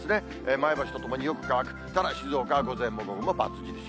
前橋とともによく乾く、ただ静岡は午前も午後もバツ印。